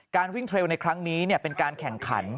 วิ่งเทรลในครั้งนี้เป็นการแข่งขัน